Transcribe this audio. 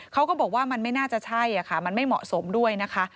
เขาก็บอกว่ามันไม่น่าจะใช่ค่ะมันไม่เหมาะสมด้วยนะคะ